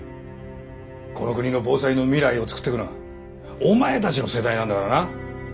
この国の防災の未来を作っていくのはお前たちの世代なんだからな。